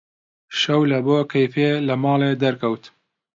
شەو لەبۆ کەیفێ لە ماڵێ دەرکەوت: